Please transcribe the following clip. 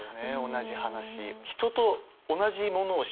同じ話。